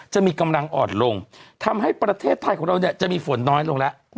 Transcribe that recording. จะมีกำลังอ่อนลงทำให้ประเทศไทยของเราเนี่ยจะมีฝนน้อยลงแล้ว